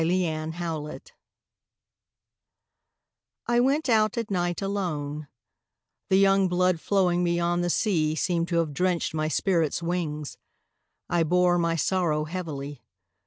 Winter Stars I went out at night alone; The young blood flowing beyond the sea Seemed to have drenched my spirit's wings I bore my sorrow heavily.